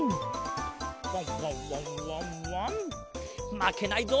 まけないぞ。